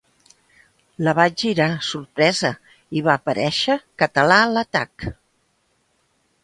La vaig girar, sorpresa, i va aparèixer «Català a l'atac».